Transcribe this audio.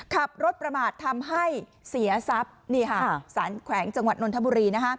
ขับรถประมาททำให้เสียทรัพย์นี่ค่ะสารแขวงจังหวัดนนทบุรี